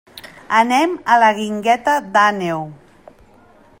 Anem a la Guingueta d'Àneu.